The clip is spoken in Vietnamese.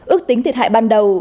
ước tính thiệt hại ban đầu